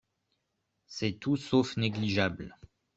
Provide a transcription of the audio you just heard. C’est tout sauf négligeable